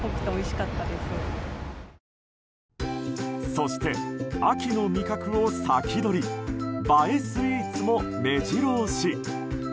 そして、秋の味覚を先取り映えスイーツも目白押し！